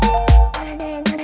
kau mau kemana